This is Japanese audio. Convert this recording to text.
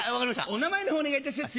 お名前の方お願いいたします。